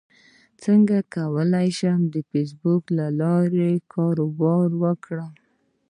څنګه کولی شم د فېسبوک له لارې کاروبار وکړم